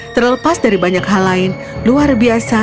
terlepas dari banyak hal lain luar biasa